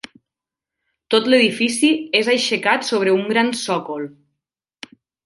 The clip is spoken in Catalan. Tot l'edifici és aixecat sobre un gran sòcol.